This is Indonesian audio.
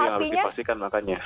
yang harus dipastikan makanya